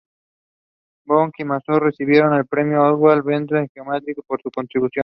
Brown y Mazur recibieron el Premio Oswald Veblen en Geometría por sus contribuciones.